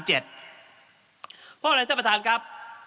เพราะอะไรท่านประธานครับ